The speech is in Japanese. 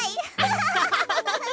ハハハハ。